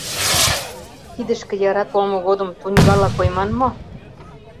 Кидышке яра толмо годым туньгала койман мо?..